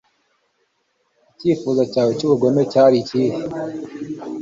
Icyifuzo cyawe cyubugome cyari ikihe